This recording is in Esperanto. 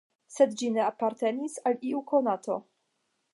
Sed ĝi ne apartenis al iu konato.